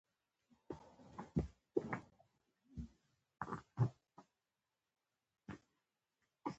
سوړ اسوېلی، سړه سينه، ساړه ګيلاسونه، سړې پيالې.